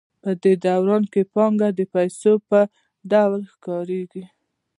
په دې دوران کې پانګه د پیسو په ډول ښکارېږي